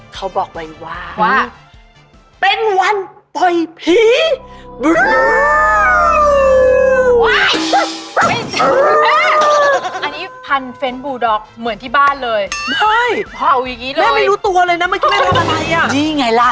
ถ้าเป็นจริงเรื่องนี้มิสฝั่งใครอะฝั่งแม่อะ